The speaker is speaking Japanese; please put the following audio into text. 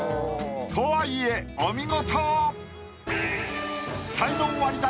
とはいえお見事！